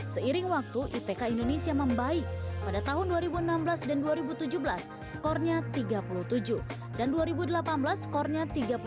seiring waktu ipk indonesia membaik pada tahun dua ribu enam belas dan dua ribu tujuh belas skornya tiga puluh tujuh dan dua ribu delapan belas skornya tiga puluh delapan